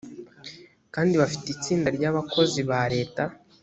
kandi bafite itsinda ry abakozi ba leta